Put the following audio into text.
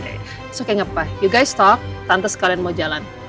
it's okay nggak apa apa you guys talk tante sekalian mau jalan